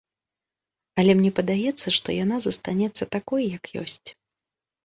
Але мне падаецца, што яна застанецца такой, як ёсць.